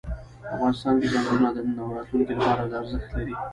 افغانستان کې ځنګلونه د نن او راتلونکي لپاره ارزښت لري.